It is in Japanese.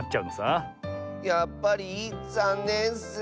やっぱりざんねんッス。